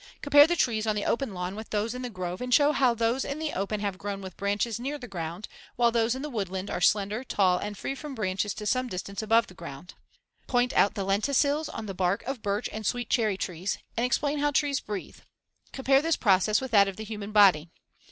Compare the trees on the open lawn with those in the grove and show how those in the open have grown with branches near the ground while those in the woodland are slender, tall and free from branches to some distance above the ground. Point out the lenticels on the bark of birch and sweet cherry trees and explain how trees breathe. Compare this process with that of the human body.